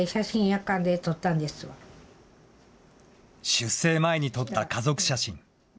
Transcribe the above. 出征前に撮った家族写真。